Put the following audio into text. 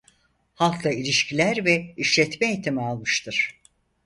Halkla İlişkiler ve İşletme Eğitimi almıştır.